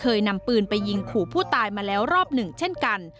เคยนำปืนไปยิงขู่ผู้ตายมาแล้วรอบหนึ่งเช่นกัน